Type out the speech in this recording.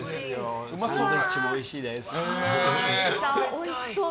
おいしそう！